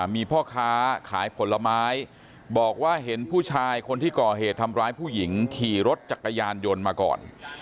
มีพ่อค้าขายผลไม้บอกว่าเห็นผู้ชายคนที่ก่อเหตุทำร้ายผู้หญิงขี่รถจักรยานยนต์มาก่อน